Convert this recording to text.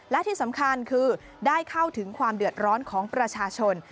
และที่สำคัญคือได้เข้าถึงความเดือดร้อนของประชาชน